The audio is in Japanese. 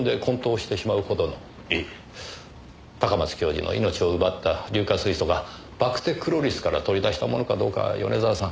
高松教授の命を奪った硫化水素がバクテクロリスから取り出したものかどうかは米沢さん。